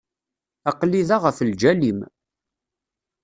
Aql-i da ɣef lǧal-im.